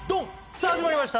さあ始まりました